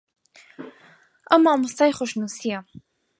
ئەو مامۆستای خۆشنووسییە